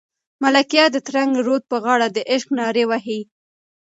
ملکیار د ترنګ رود په غاړه د عشق نارې وهي.